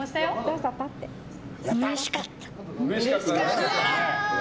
うれしかった。